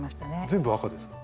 全部赤ですか？